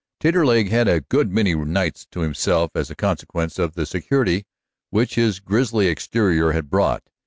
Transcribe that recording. Taterleg had a good many nights to himself, as a consequence of the security which his grisly exterior had brought.